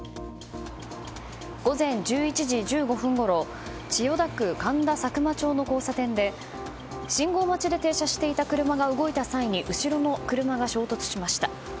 午前１１時１５分ごろ千代田区神田佐久間町の交差点で信号待ちで停車していた車が動いた際に後ろの車が衝突しました。